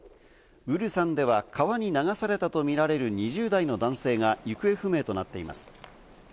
ウルサンでは川に流されたとみられる２０代の男性が行方不明となっています。